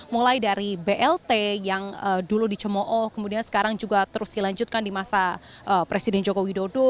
mulai dari blt yang dulu dicemooh kemudian sekarang juga terus dilanjutkan di masa presiden joko widodo